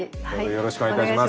よろしくお願いします。